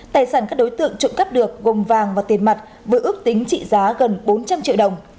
tài sản các đối tượng trộm cắp được gồm vàng và tiền mặt với ước tính trị giá gần bốn trăm linh triệu đồng